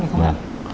phải không ạ